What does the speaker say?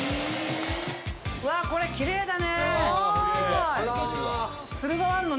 うわ、これ、きれいだね。